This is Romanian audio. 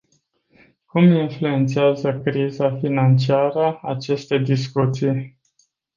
Cum influențează criza financiară aceste discuții?